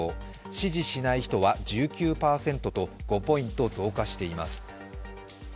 支持しない人は１９％と５ポイント増加しています。